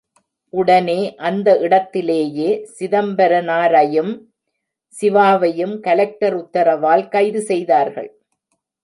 உடனே, அந்த இடத்திலேயே, சிதம்பரனாரையும், சிவாவையும் கலெக்டர் உத்தரவால் கைது செய்தார்கள்.